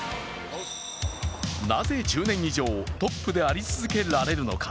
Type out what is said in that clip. なぜ１０年以上、トップであり続けられるのか。